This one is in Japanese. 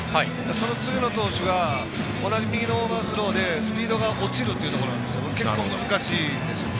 その次の投手が同じ右のオーバースローでスピードが落ちるというところで結構、難しいんですよ。